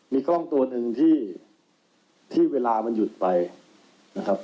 มีกล้องตัวหนึ่งที่เวลามันหยุดไปนะครับ